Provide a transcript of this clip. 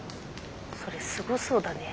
それすごそうだね。